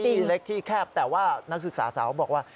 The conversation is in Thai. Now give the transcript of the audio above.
ที่เล็กที่แคบแต่ว่านักศึกษาสาวบอกว่า